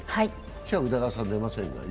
今日は宇田川さん出ませんが。